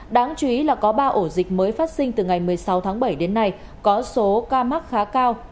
đáng chú ý là có ba ổ dịch mới phát sinh từ ngày một mươi sáu tháng bảy đến nay có số ca mắc khá cao